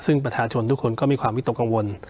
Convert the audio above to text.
ซึ่งประชาชนทุกคนก็มีความวิตกกังวล